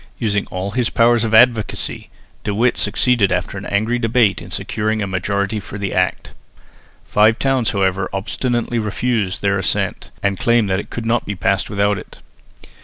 Using all his powers of advocacy, De Witt succeeded after an angry debate in securing a majority for the Act. Five towns however obstinately refused their assent, and claimed that it could not be passed without it.